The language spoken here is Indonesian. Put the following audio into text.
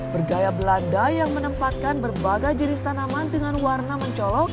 bergaya belanda yang menempatkan berbagai jenis tanaman dengan warna mencolok